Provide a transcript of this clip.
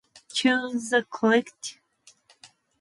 Choose the correct participle form to complete the sentences.